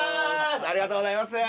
ありがとうございます。